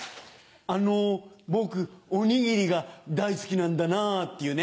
「あの僕おにぎりが大好きなんだな」っていうね